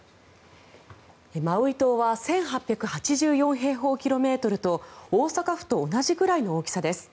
マウイ島は１８８４平方キロメートルと大阪府と同じぐらいの大きさです。